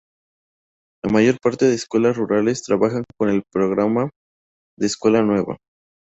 La mayor parte de las escuelas rurales trabajan con el programa de Escuela Nueva.